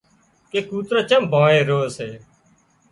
ڪي ڪوترو چم ڀانهي رو سي